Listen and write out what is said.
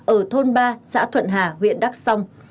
ở thôn ba xã thuận hà huyện đắc song